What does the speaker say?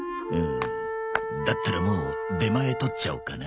だったらもう出前取っちゃおうかな。